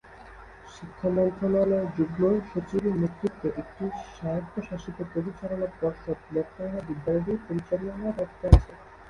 শিক্ষা মন্ত্রণালয়ের যুগ্ম-সচিবের নেতৃত্বে একটি স্বায়ত্বশাসিত পরিচালনা পর্ষদ বর্তমানে বিদ্যালয়টির পরিচালনার দায়িত্বে আছে।